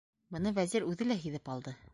Быны Вәзир үҙе лә һиҙеп алды.